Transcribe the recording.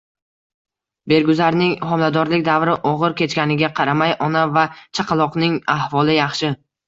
Berguzarning homiladorlik davri og‘ir kechganiga qaramay, ona va chaqaloqning ahvoli yaxshi